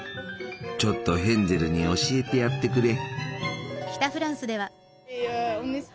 ちょっとヘンゼルに教えてやってくれ。